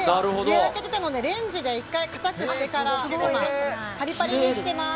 ふやけていたのでレンジで１回かたくしてからパリパリにしています。